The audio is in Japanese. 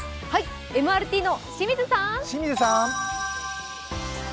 ＭＲＴの清水さん。